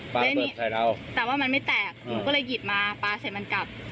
เล่นนี้แต่ว่ามันไม่แตกหนูก็เลยหยิบมาปลาใส่มันกลับ